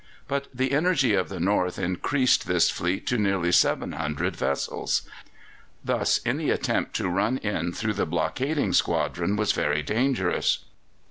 But the energy of the North increased this fleet to nearly 700 vessels. Thus any attempt to run in through the blockading squadron was very dangerous.